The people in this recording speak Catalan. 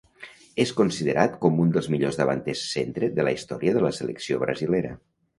És considerat com un dels millors davanters centre de la història de la selecció brasilera.